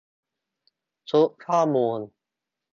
ชุดข้อมูล